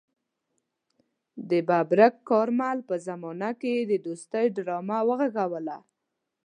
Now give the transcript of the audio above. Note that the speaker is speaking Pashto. د ببرک کارمل په زمانه کې يې د دوستۍ ډرامه غږوله.